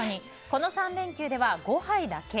この３連休では５杯だけ。